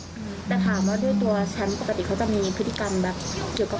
แต่ถามว่าด้วยตัวฉันปกติเขาจะมีพฤติกรรมแบบเกี่ยวกับ